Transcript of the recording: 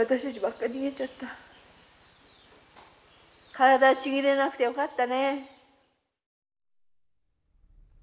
体ちぎれなくてよかったね。